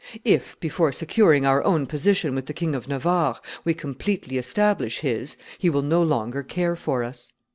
If, before securing our own position with the King of Navarre, we completely establish his, he will no longer care for us.